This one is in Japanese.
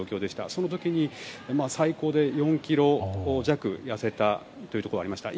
その時に最高で４ｋｇ弱痩せたということはありました。